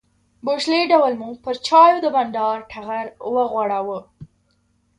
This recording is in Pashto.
بوشلې ډول مو پر چایو د بانډار ټغر وغوړاوه.